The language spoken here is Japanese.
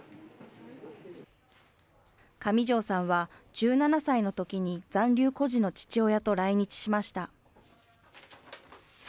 上條さんは１７歳のときに残留孤児の父親と来日しました。